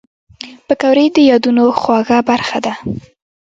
پکورې د یادونو خواږه برخه ده